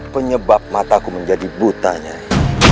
penyebab mataku menjadi buta nyai